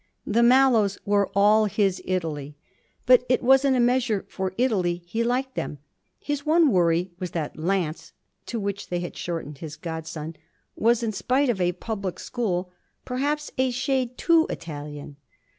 The Mallows were all his Italy, but it was in a measure for Italy he liked them. His one worry was that Lance to which they had shortened his godson was, in spite of a public school, perhaps a shade too Italian.